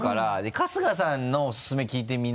春日さんのオススメ聞いてみな？